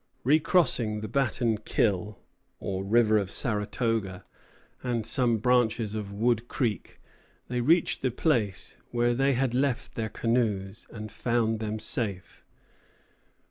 Recrossing the Batten Kill, or "River of Saratoga," and some branches of Wood Creek, they reached the place where they had left their canoes, and found them safe.